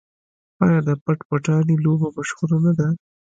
آیا د پټ پټانې لوبه مشهوره نه ده؟